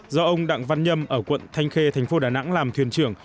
do ông đặng văn nhâm ở quận thanh khê thành phố đà nẵng làm thuyền trưởng